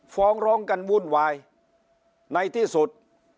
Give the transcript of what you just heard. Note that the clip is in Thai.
ฟ้องร้องกันวุ่นวายในที่สุด